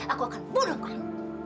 aku akan bunuh kamu